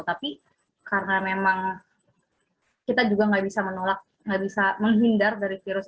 tapi karena memang kita juga nggak bisa menolak nggak bisa menghindar dari virus